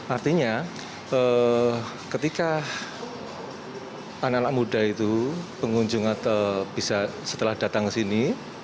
artinya ketika anak anak muda itu pengunjung bisa setelah datang ke sini